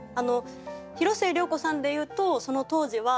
広末涼子さんで言うとその当時は。